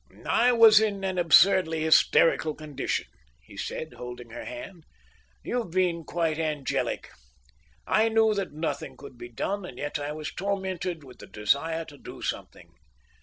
"I was in an absurdly hysterical condition," he said, holding her hand. "You've been quite angelic. I knew that nothing could be done, and yet I was tormented with the desire to do something.